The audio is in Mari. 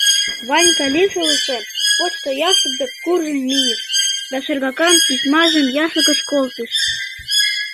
Ванька лишылысе почто яшлык дек куржын мийыш да шергакан письмажым яшлыкыш колтыш.